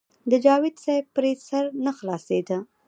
د جاوېد صېب پرې سر نۀ خلاصېدۀ -